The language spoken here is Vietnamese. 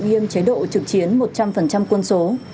nghiêm chế độ trực chiến một trăm linh quân số